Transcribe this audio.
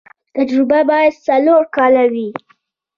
تجربه باید څلور کاله وي.